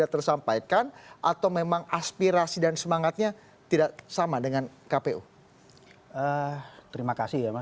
terima kasih ya mas